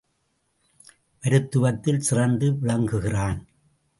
மருத்துவத்தில் சிறந்து விளங்குகிறான்.